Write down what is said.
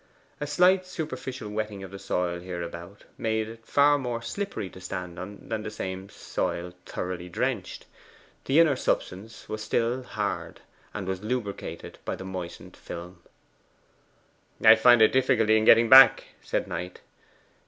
A slight superficial wetting of the soil hereabout made it far more slippery to stand on than the same soil thoroughly drenched. The inner substance was still hard, and was lubricated by the moistened film. 'I find a difficulty in getting back,' said Knight.